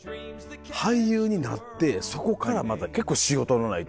俳優になってそこからまた結構仕事のない時が。